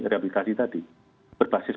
replikasi tadi berbasis